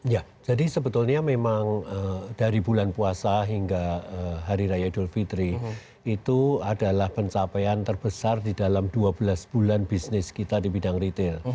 ya jadi sebetulnya memang dari bulan puasa hingga hari raya idul fitri itu adalah pencapaian terbesar di dalam dua belas bulan bisnis kita di bidang retail